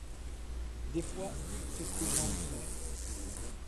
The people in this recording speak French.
Des fois c’est ce que j’ai envie de faire.